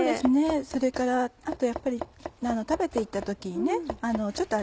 それからあとやっぱり食べて行った時にね